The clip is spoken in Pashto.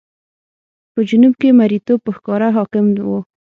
په جنوب کې مریتوب په ښکاره حاکم و.